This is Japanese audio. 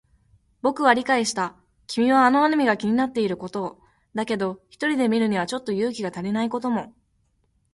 僕は理解した。君はあのアニメが気になっていることを。だけど、一人で見るにはちょっと勇気が足りないことも。